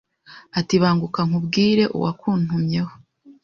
ati Banguka nkubwire uwakuntumyeho